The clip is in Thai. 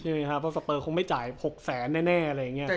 ใช่ไหมครับเพราะซัปเปอร์คงไม่จ่ายหกแสนแน่แน่อะไรอย่างเงี้ยครับ